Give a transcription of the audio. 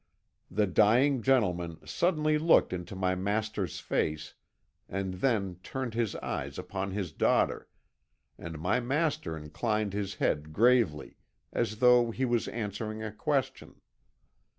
The dying gentleman suddenly looked into my master's face, and then turned his eyes upon his daughter, and my master inclined his head gravely, as though he was answering a question.